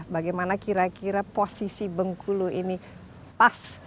bagaimana kira kira posisi bengkulu ini pas